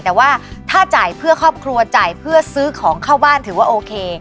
แต่ว่าถ้าจ่ายเพื่อครอบครัวจ่ายเพื่อซื้อของเข้าบ้านถือว่าโอเค